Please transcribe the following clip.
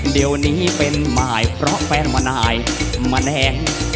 เดี๋ยวนี้เป็นหมายเพราะแฟนมนายมะแนง